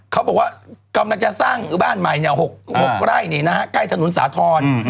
เขาบอกว่ากำลังจะสร้างบ้านใหม่๖ไร่ใกล้ถนนสาธรณ์